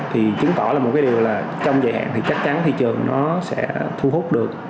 thì chứng tỏ là một cái điều là trong dạng thì chắc chắn thị trường nó sẽ thu hút được